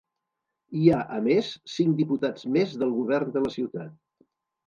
Hi ha, a més, cinc diputats més del govern de la ciutat.